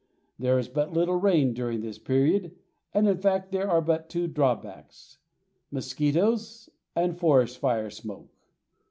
There is but little rain during this period and in fact there are but two drawbacks,—mosquitoes and forest fire smoke.